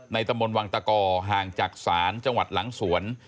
ตำบลวังตะกอห่างจากศาลจังหวัดหลังสวน